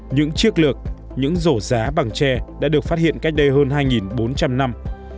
những chiếc lược những rổ giá bằng tre đã được phát hiện cách đây hơn hai bốn trăm linh năm